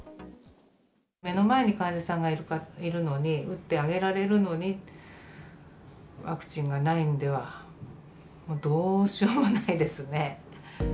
目の前に患者さんがいるのに、打ってあげられるのに、ワクチンがないんでは、どうしようもないですね。